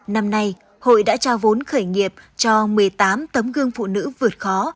năm nay hội đã trao vốn khởi nghiệp cho một mươi tám tấm gương phụ nữ vượt khó